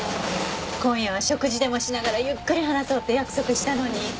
今夜は食事でもしながらゆっくり話そうって約束したのに。